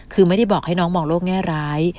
คือไม่ได้บอกให้น้องมองโลกแง่ร้าย